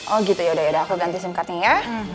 oh gitu ya udah udah aku ganti sim cardnya ya